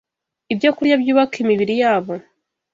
ibyokurya byubaka imibiri yabo